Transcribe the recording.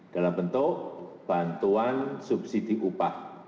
dalam bentuk bantuan subsidi upah